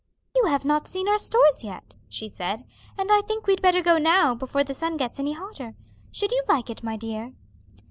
"You have not seen our stores yet," she said, "and I think we'd better go now before the sun gets any hotter. Should you like it, my dear?"